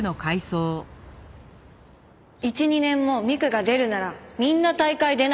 １・２年も美玖が出るならみんな大会出ないって。